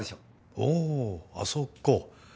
おおあそこ。